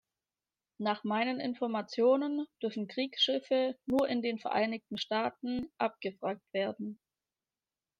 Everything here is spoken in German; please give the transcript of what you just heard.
Nach meinen Informationen dürfen Kriegsschiffe nur in den Vereinigten Staaten abgewrackt werden.